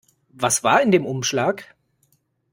Was war in dem Umschlag?